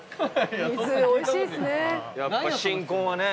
やっぱ新婚はね